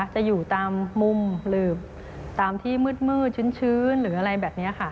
จะอยู่ตามมุมหรือตามที่มืดชื้นหรืออะไรแบบนี้ค่ะ